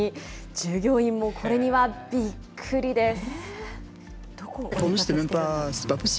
従業員もこれにはびっくりです。